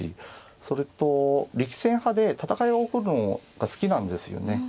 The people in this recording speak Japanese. それと力戦派で戦いが起こるのが好きなんですよね。